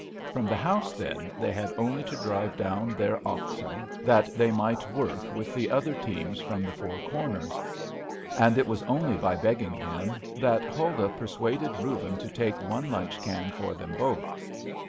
From the house, then, they had only to drive down their oxen that they might work with the other teams from the Four Corners; and it was only by begging him, that Huldah persuaded Reuben to take one lunch can for them both.